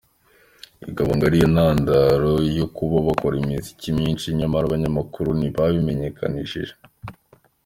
Bikaba ngo ariyo ntandaro yo kuba bakora imiziki myinshi nyamara abanyamakuru ntibayimenyekanishe.